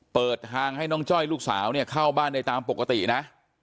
เปิดทางให้น้องจ้อยลูกสาวเนี่ยเข้าบ้านได้ตามปกตินะ